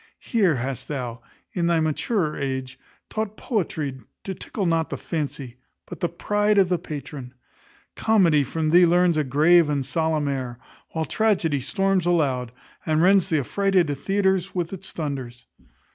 Here hast thou, in thy maturer age, taught poetry to tickle not the fancy, but the pride of the patron. Comedy from thee learns a grave and solemn air; while tragedy storms aloud, and rends th' affrighted theatres with its thunders.